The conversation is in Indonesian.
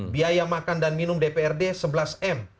biaya makan dan minum dprd sebelas m